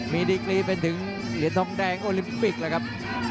มีดีกรีเป็นถึงเหรียญทองแดงโอลิมปิกเลยครับ